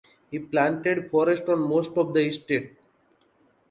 He planted forest on most of the estate.